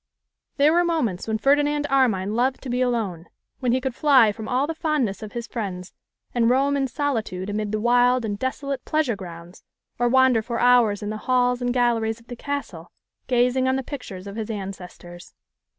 There were moments when Ferdinand Armine loved to be alone, when he could fly from all the fondness of his friends, and roam in solitude amid the wild and desolate pleasure grounds, or wander for hours in the halls and galleries of the castle, gazing on the pictures of his ancestors.